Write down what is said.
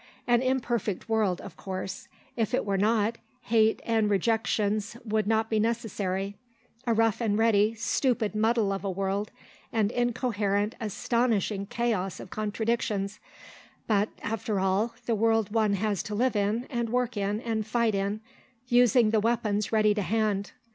An imperfect world, of course; if it were not, hate and rejections would not be necessary; a rough and ready, stupid muddle of a world, an incoherent, astonishing chaos of contradictions but, after all, the world one has to live in and work in and fight in, using the weapons ready to hand.